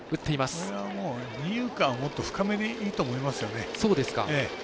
これは二遊間はもっと深めでいいと思いますよね。